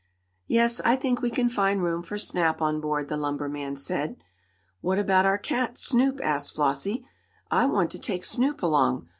"Yes, I think we can find room for Snap on board," the lumber man said. "What about our cat, Snoop?" asked Flossie. "I want to take Snoop along.